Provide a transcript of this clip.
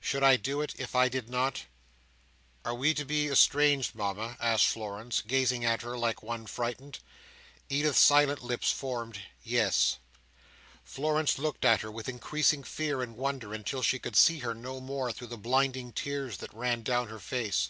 Should I do it if I did not?" "Are we to be estranged, Mama?" asked Florence, gazing at her like one frightened. Edith's silent lips formed "Yes." Florence looked at her with increasing fear and wonder, until she could see her no more through the blinding tears that ran down her face.